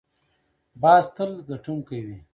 باز تل ګټونکی وي